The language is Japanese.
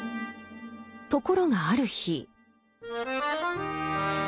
ところがある日。